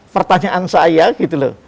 pertanyaan saya gitu loh